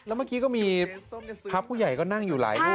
แล้วเมื่อกี้ก็มีพระผู้ใหญ่ก็นั่งอยู่หลายรูป